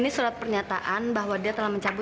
selamat siang bu